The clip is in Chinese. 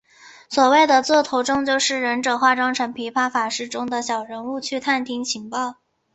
所谓的座头众就是忍者化妆成琵琶法师中的小人物去探听情报。